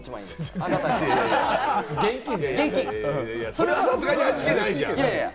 いやいや、それはさすがに味気ないじゃん。